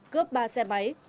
cướp ba xe máy